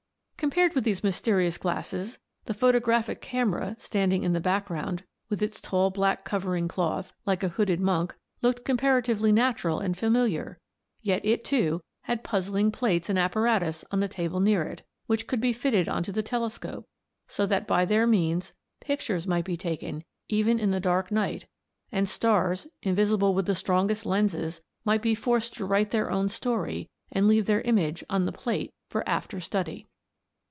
Compared with these mysterious glasses the PHOTOGRAPHIC CAMERA, standing in the background, with its tall black covering cloth, like a hooded monk, looked comparatively natural and familiar, yet it, too, had puzzling plates and apparatus on the table near it, which could be fitted on to the telescope, so that by their means pictures might be taken even in the dark night, and stars, invisible with the strongest lens, might be forced to write their own story, and leave their image on the plate for after study.